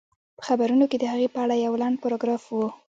په خبرونو کې د هغې په اړه يو لنډ پاراګراف و